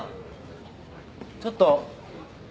ちょっと。